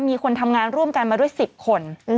มีคนทำงานร่วมกันมาด้วย๑๐คน